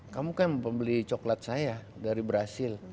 kamu kan pembeli coklat saya dari brazil